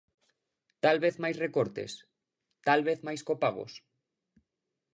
¿Tal vez máis recortes?, ¿tal vez máis copagos?